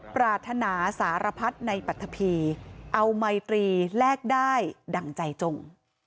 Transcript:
ปรารถนาสารพัดในปรัฐพีเอาไมตรีแลกได้ดั่งใจจง